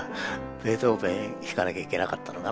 ベートーベン弾かなきゃいけなかったのかな。